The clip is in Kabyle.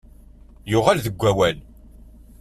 Yuɣal deg wawal.